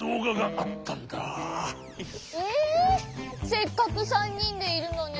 せっかく３にんでいるのに。